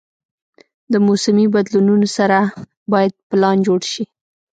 د موسمي بدلونونو سره باید پلان جوړ شي.